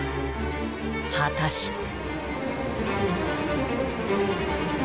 果たして。